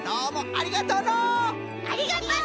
ありがとう！